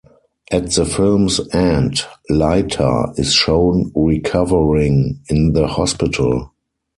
At the film's end, Leiter is shown recovering in the hospital.